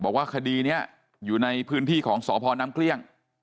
บอกว่าคดีนี้อยู่ในพื้นที่ของสพน้ำเกลี้ยง